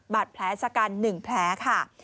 บาดแผลชะกัน๑แผลค่ะ